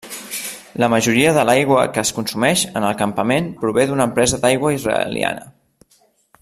La majoria de l'aigua que es consumeix en el campament prové d'una empresa d'aigua israeliana.